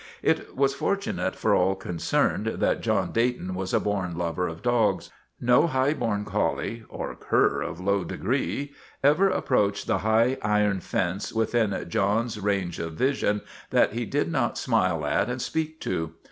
It was fortunate for all concerned that John Day ton was a born lover of dogs. No high born collie or cur of low degree ever approached the high iron fence within John's range of vision that he did not smile at and speak to.